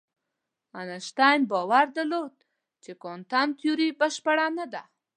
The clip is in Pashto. انشتین باور درلود چې کوانتم تیوري بشپړه نه ده.